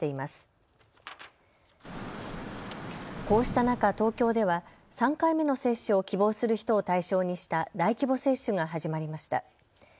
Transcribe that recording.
こうした中、東京では、３回目の接種を希望する人を対象にした大規模接種が始まりました。